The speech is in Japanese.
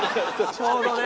ちょうどね。